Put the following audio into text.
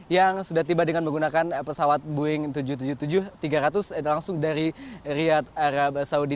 yang sudah tiba dengan menggunakan pesawat boeing tujuh ratus tujuh puluh tujuh tiga ratus langsung dari riyad arab saudi